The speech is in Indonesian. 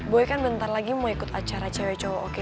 gue kan bentar lagi mau ikut acara cewek cewek oke